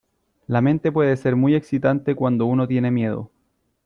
la mente puede ser muy excitante cuando uno tiene miedo.